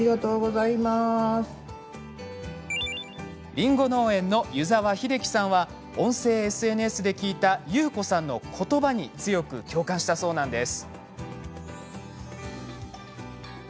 りんご農園の湯澤秀樹さんは音声ＳＮＳで聞いた優子さんのことばに強く共感したそうです。